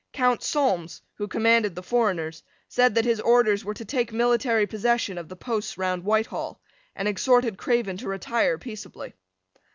Count Solmes, who commanded the foreigners, said that his orders were to take military possession of the posts round Whitehall, and exhorted Craven to retire peaceably.